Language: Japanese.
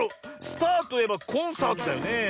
スターといえばコンサートだよねえ。